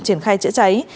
triển khai chữa cháy